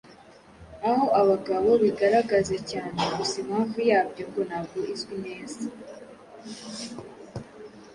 aho abagabo bigaragaza cyane. Gusa impamvu yabyo ngo ntabwo izwi neza.